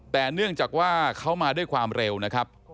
แต่เนื่องจากว่าเขามาด้วยความเร็วนะครับ